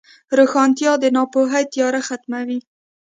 روښانتیا د ناپوهۍ تیاره ختموي.